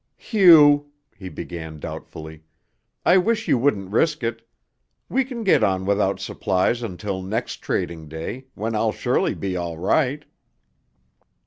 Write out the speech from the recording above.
"Hugh," he began doubtfully, "I wish you wouldn't risk it. We can get on without supplies until next trading day, when I'll surely be all right."